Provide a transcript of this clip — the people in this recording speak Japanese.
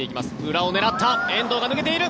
裏を狙った遠藤が抜けている。